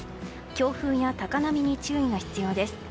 強風や高波に注意が必要です。